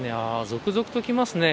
続々と来ますね。